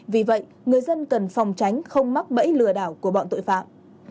vì vậy người dân cần phòng tránh không mắc bẫy lừa đảo của bọn tội phạm